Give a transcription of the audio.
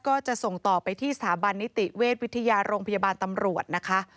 ก็จะส่งต่อไปที่สถาบันนิติเวชวิทยาโรงพยาบาลตำรวจนะคะ